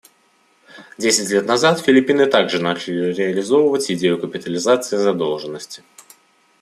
Десять лет назад Филиппины также начали реализовывать идею капитализации задолженности.